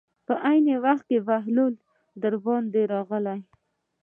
په عین وخت کې بهلول دربار ته راغی.